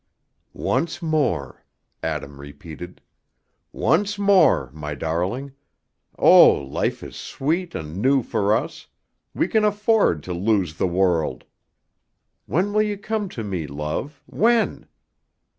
"'Once more,'" Adam repeated. "Once more, my darling! Oh, life is sweet and new for us; we can afford to lose the world! When will you come to me, love, when?"